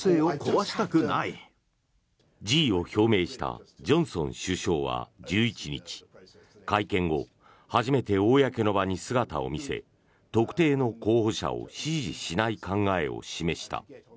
辞意を表明したジョンソン首相は１１日会見後、初めて公の場に姿を見せ特定の候補者を支持しない考えを示した。